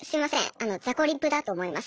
あのザコリプだと思います。